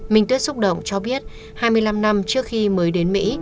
minh tuyết xúc động cho biết hai mươi năm năm trước khi mới đến mỹ